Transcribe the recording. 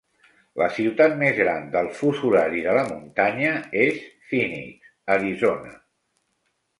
La ciutat més gran del fus horari de la muntanya és Phoenix, Arizona.